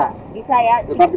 tapi kalau masih dalam bisa